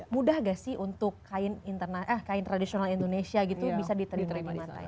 mudah gak sih untuk kain tradisional indonesia gitu bisa diterima di mata